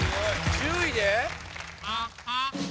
・１０位で？